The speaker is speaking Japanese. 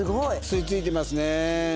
吸い付いてますね。